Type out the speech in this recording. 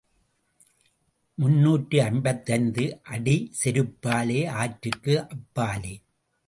முன்னூற்று ஐம்பத்தைந்து அடி செருப்பாலே, ஆற்றுக்கு அப்பாலே.